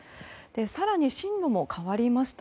更に進路も変わりました。